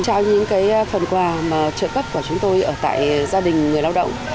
trao những cái phần quà trợ cất của chúng tôi ở tại gia đình người lao động